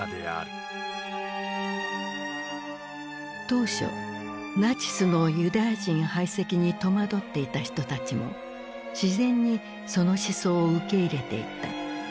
当初ナチスのユダヤ人排斥に戸惑っていた人たちも自然にその思想を受け入れていった。